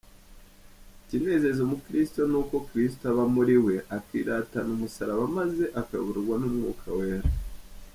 ikinezeza umuchristo ni uko christo aba muriwe akiratana umusaraba maze akayoborwa numwuka wera.